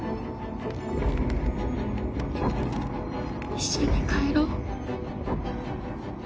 一緒に帰ろう？